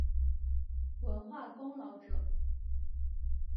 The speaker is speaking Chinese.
文化功劳者。